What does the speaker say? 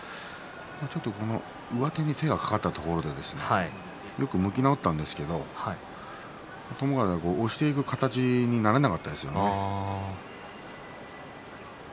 ちょっと上手に手が掛かったところでよく向き直ったんですけれど友風が押していく形になれなかったですよね。